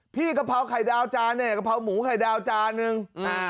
กะเพราไข่ดาวจานเนี่ยกะเพราหมูไข่ดาวจานนึง